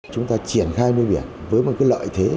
chúng ta triển khai nuôi biển với một cái lợi thế